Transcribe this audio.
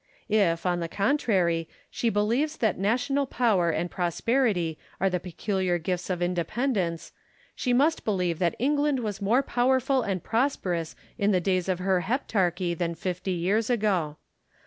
If, on the contrary, she believes that national power and prosperity are the peculiar gifts of independence, she must believe that England was more powerful and prosperous in the days of her heptarchy than fifty years ago.